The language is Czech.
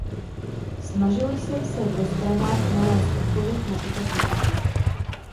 Snažil jsem se v rozpravách nalézt odpověď na tuto kritiku.